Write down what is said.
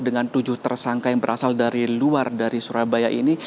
dengan tujuh tersangka yang berasal dari luar dari surabaya ini